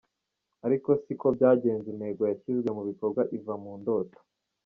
Ariko si ko byagenze intego yashyizwe mu bikorwa iva mu ndoto.